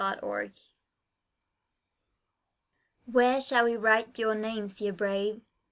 Where shall we write your names, ye brave!